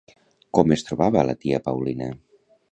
Com es trobava la tia Paulina?